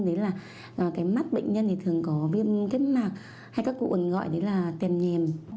đó là mắt bệnh nhân thường có viêm kết mạc hay các cụ ẩn gọi đó là tiềm nhềm